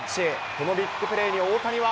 このビッグプレーに、大谷は。